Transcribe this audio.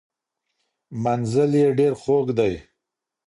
منزل یې ډیر خوږ دی.